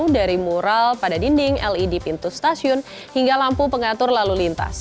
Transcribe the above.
dari mural pada dinding led pintu stasiun hingga lampu pengatur lalu lintas